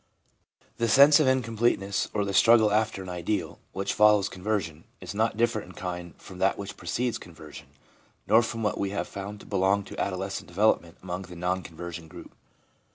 The sense of incompleteness, or the struggle after an ideal, which follows conversion, is not different in kind from that which precedes conversion, nor from what we have found to belong to adolescent development among the non conversion group.